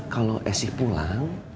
kalau esik pulang